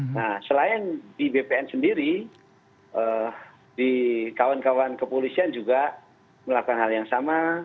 nah selain di bpn sendiri di kawan kawan kepolisian juga melakukan hal yang sama